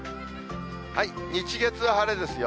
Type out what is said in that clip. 日、月は晴れですよ。